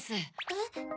えっ？